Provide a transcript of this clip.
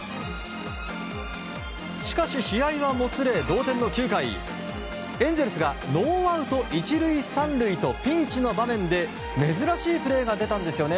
しかし試合はもつれ、同点の９回エンゼルスがノーアウト１塁３塁とピンチの場面で珍しいプレーが出たんですよね。